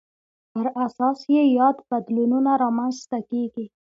پر اساس یې یاد بدلونونه رامنځته کېږي.